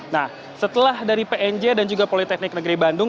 nah setelah dari pnj dan juga politeknik negeri bandung